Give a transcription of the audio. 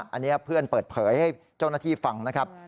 อันนี้เพื่อนเปิดเผยให้เจ้าหน้าที่ฟังนะครับ